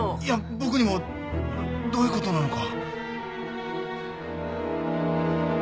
僕にもどういうことなのか。